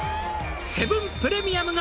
「セブンプレミアムが」